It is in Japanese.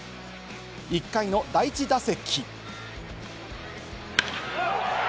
１回の第１打席。